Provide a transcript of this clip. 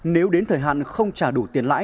nếu đến thời hạn không trả đủ tiền lãi